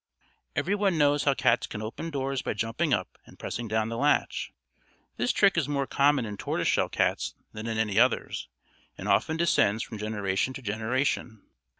Every one knows how cats can open doors by jumping up and pressing down the latch; this trick is more common in tortoise shell cats than in any others, and often descends from generation to generation.